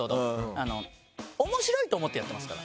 あの面白いと思ってやってますから。